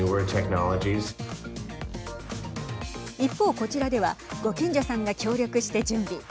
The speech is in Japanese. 一方、こちらではご近所さんが協力して準備。